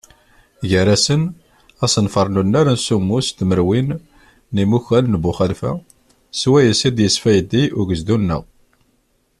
Gar-asen: Asenfar n unnar n semmus tmerwin n yimukan n Buxalfa, swayes i d-yesfaydi ugezdu-nneɣ.